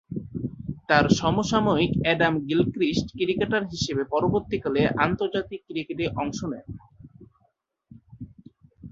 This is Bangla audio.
তার সমসাময়িক অ্যাডাম গিলক্রিস্ট ক্রিকেটার হিসেবে পরবর্তীকালে আন্তর্জাতিক ক্রিকেটে অংশ নেন।